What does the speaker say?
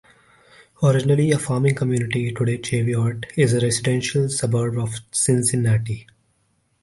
Originally a farming community, today Cheviot is a residential suburb of Cincinnati.